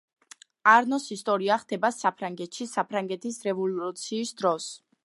არნოს ისტორია ხდება საფრანგეთში, საფრანგეთის რევოლუციის დროს.